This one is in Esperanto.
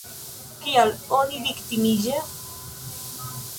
Kial oni viktimiĝas?